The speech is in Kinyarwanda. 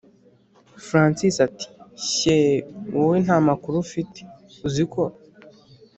francis ati”shye wowe ntamakuru ufite uziko